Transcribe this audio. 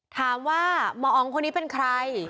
ถามว่าหมออ๋องคนนี้เป็นใคร